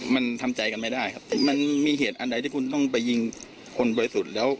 มันทำใจกันไม่ได้ครับมันมีเหตุอันใดที่คุณต้องไปยิงคนบริสุทธิ์แล้ว